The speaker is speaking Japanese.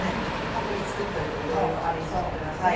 たっぷり作っといていろいろアレンジして下さい。